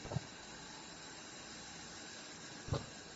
ধুর, এত অপেক্ষা করতে পারব না।